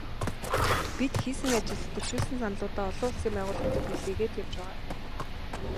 Бид хийсэн ажил, дэвшүүлсэн саналуудаа олон улсын байгууллагуудад илгээгээд явж байгаа.